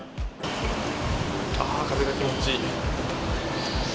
風が気持ちいい。